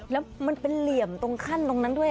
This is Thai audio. แล้วมันเป็นเหลี่ยมตรงขั้นตรงนั้นด้วย